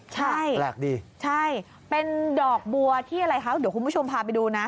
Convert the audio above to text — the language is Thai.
ใช่แปลกดีใช่เป็นดอกบัวที่อะไรคะเดี๋ยวคุณผู้ชมพาไปดูนะ